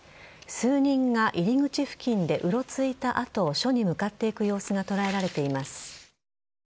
数人が入り口付近でうろついた後署に向かっていく様子が捉えられています。